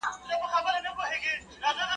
خپل پر تنگسه په کارېږي.